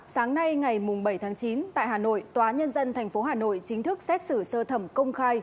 sáng nay ngày bảy tháng chín tại hà nội tòa nhân dân tp hà nội chính thức xét xử sơ thẩm công khai